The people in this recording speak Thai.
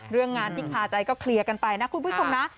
เรื่องงานที่คาใจก็เคลียร์กันไปนะคุณผู้ชมนะ